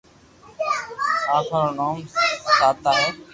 آٺوا رو نوم سآتا ھي